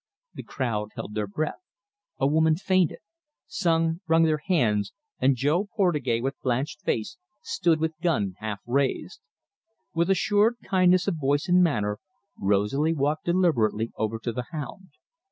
The crowd held their breath. A woman fainted. Some wrung their hands, and Jo Portugais, with blanched face, stood with gun half raised. With assured kindness of voice and manner, Rosalie walked deliberately over to the hound.